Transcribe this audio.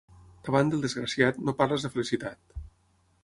Davant del desgraciat, no parlis de felicitat.